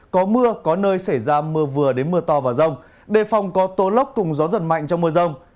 có mưa có nơi xảy ra mưa vừa đến mưa to và rông đề phòng có tố lốc cùng gió giật mạnh trong mưa rông